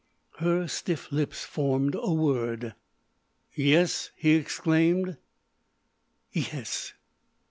Her stiff lips formed a word. "Yes!" he exclaimed. "Yes."